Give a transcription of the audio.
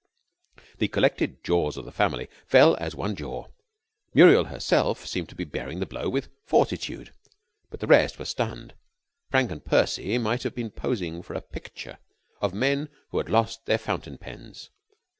The collected jaws of the family fell as one jaw. Muriel herself seemed to be bearing the blow with fortitude, but the rest were stunned. Frank and Percy might have been posing for a picture of men who had lost their fountain pens.